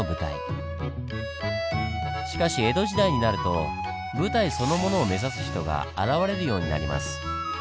しかし江戸時代になると舞台そのものを目指す人が現れるようになります。